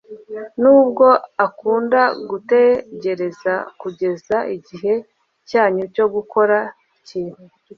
ntabwo akunda gutegereza kugeza igihe cyanyuma cyo gukora ikintu